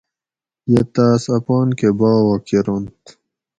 یہ تاۤس اپانکہ باوہ کرنت